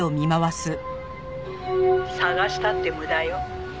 「捜したって無駄よ。